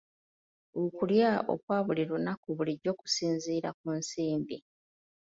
Okulya okwa buli lunaku bulijjo kusinziira ku nsimbi.